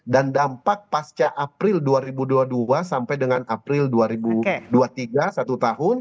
dan dampak pasca april dua ribu dua puluh dua sampai dengan april dua ribu dua puluh tiga satu tahun